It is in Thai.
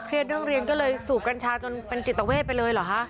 เครียดเรื่องเรียนสูบกัญชาจนเป็นจิตเวศไปเลยหรอครับ